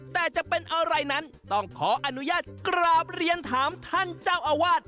แต่จะเป็นอะไรนั้นต้องขออนุญาตกราบเรียนถามท่านเจ้าอาวาส